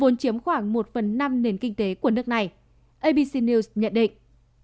vốn chiếm khoảng một phần năm nền kinh tế của nước này abc news nhận định